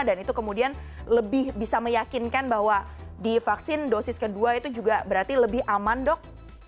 dan itu kemudian lebih bisa meyakinkan bahwa divaksin dosis kedua itu juga berarti lebih aman dok